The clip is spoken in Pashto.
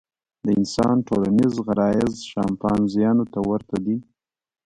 د انسان ټولنیز غرایز شامپانزیانو ته ورته دي.